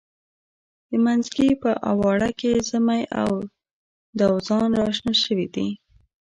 د منځکي په اواړه کې زمۍ او دوزان را شنه شوي دي.